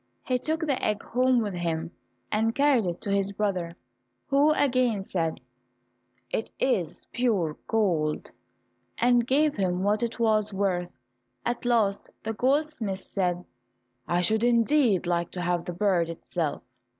He took the egg home with him, and carried it to his brother, who again said, "It is pure gold," and gave him what it was worth. At last the goldsmith said, "I should indeed like to have the bird itself."